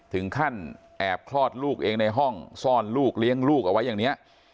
ถึงขั้นแอบคลอดลูกเองในห้องซ่อนลูกเลี้ยงลูกเอาไว้อย่างนี้